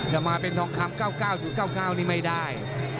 จะมาเป็นทองคำ๙๙๙๙นี่ไม่ได้